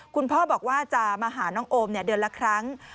คุณพ่อบอกว่าจะมาหาน้องโอมเดือนละครั้ง